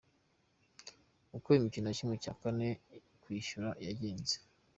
Uko imikino ya ¼ yo kwishyura yagenze.